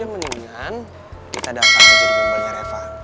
udah mendingan kita datang jadi bimbelnya reva